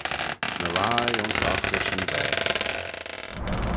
Ny lhie ayns oghrish yn vaase.